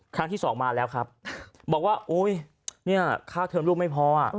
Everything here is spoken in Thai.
ครั้งที่สองมาแล้วครับบอกว่าอุ้ยเนี่ยค่าเทิมลูกไม่พอ